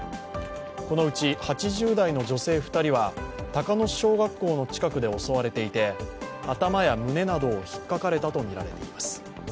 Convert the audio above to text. このうち８０代の女性２人は鷹巣小学校の近くで襲われていて頭や胸などをひっかかれたとみられています。